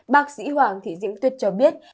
bác sĩ hoàng thị diễm tuyết cho biết